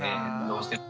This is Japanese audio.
どうしても。